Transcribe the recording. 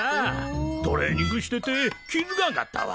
トレーニングしてて気付がんがったわ。